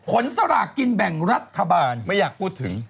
สลากกินแบ่งรัฐบาลไม่อยากพูดถึง